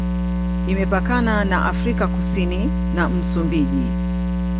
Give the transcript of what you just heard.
Imepakana na Afrika Kusini na Msumbiji.